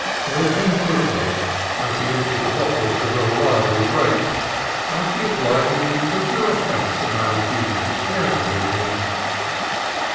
They came quickly, as he emptied the bottles at a lively rate; but he obligingly took no offence at my refusing to share them with him.